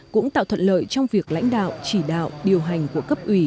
cũng tạo thuận lợi trong việc lãnh đạo chỉ đạo điều hành của cấp ủy